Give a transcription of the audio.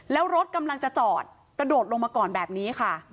แล้วรถกำลังจะจอดกระโดดลงมาก่อนแบบนี้ค่ะ